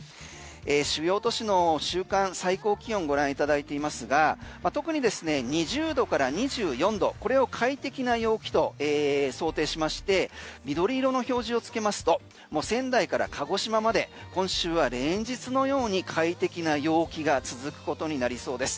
主要都市の週間最高気温ご覧いただいていますが特にですね、２０度から２４度これを快適な陽気と想定しまして緑色の表示をつけますともう仙台から鹿児島まで今週は連日のように快適な陽気が続くことになりそうです。